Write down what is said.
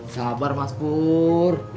sabar mas pur